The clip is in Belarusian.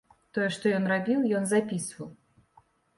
Тое, што ён рабіў, ён запісваў.